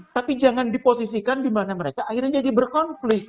tapi jangan diposisikan dimana mereka akhirnya jadi berkonflik